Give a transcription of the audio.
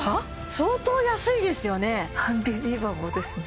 相当安いですよね